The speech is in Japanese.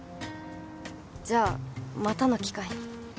じゃあまたの機会に。